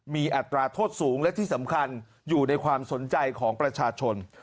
มีอัตราโทษสูงและที่สำคัญอยู่ในความสนใจของประชาชน